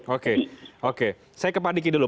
oke oke saya ke pak diki dulu